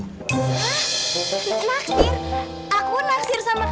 hah naksir aku naksir sama kamu